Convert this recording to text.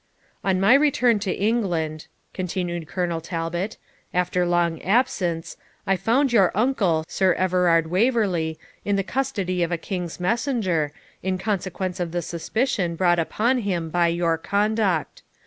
'On my return to England,' continued Colonel Talbot, 'after long absence, I found your uncle, Sir Everard Waverley, in the custody of a king's messenger, in consequence of the suspicion brought upon him by your conduct.